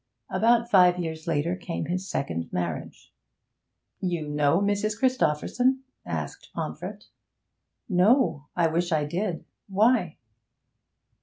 About five years later came his second marriage. 'You know Mrs. Christopherson?' asked Pomfret. 'No! I wish I did. Why?'